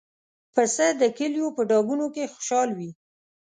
پسه د کلیو په ډاګونو کې خوشحال وي.